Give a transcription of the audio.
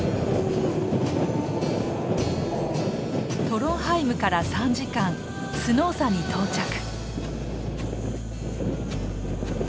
トロンハイムから３時間スノーサに到着。